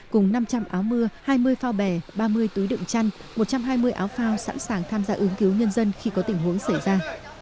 cùng năm trăm linh áo mưa hai mươi phao bè ba mươi túi đựng chăn một trăm hai mươi áo phao sẵn sàng tham gia ứng cứu nhân dân khi có tình huống xảy ra